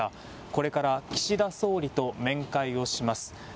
これから岸田総理と面会をします。